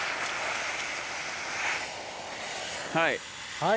はい。